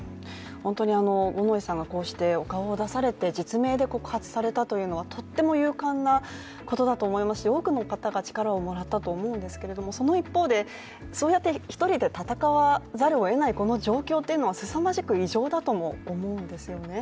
五ノ井さんがこうしてお顔を出されて実名で告発されたということはとっても勇敢なことだと思いますし多くの方が力をもらったと思うんですがその一方で、そうやって一人で闘わざるをえないこの状況というのはすさまじく異常だとも思うんですよね。